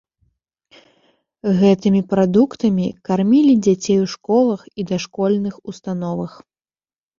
Гэтымі прадуктамі кармілі дзяцей у школах і дашкольных установах.